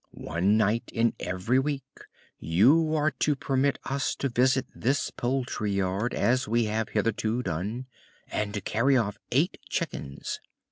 "One night in every week you are to permit us to visit this poultry yard as we have hitherto done, and to carry off eight chickens.